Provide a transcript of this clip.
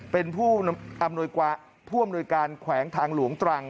เป็นผู้อำนวยการแขวงทางหลวงตรัง